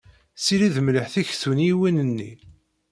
Ssired mliḥ tiktunyiwin-nni.